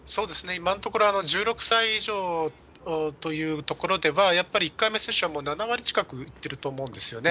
今のところ、１６歳以上というところでは、やっぱり１回目接種は７割近く打ってると思うんですね。